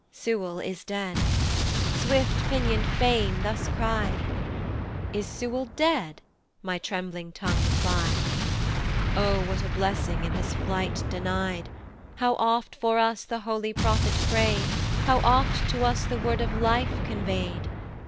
"Sewell is dead." Swift pinion'd Fame thus cry'd. "Is Sewell dead," my trembling tongue reply'd, O what a blessing in his flight deny'd! How oft for us the holy prophet pray'd! How oft to us the Word of Life convey'd!